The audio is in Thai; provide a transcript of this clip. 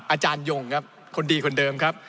อาจารยงครับคนดีคนเดิมครับ